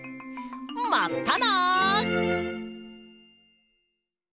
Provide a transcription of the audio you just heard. まったな！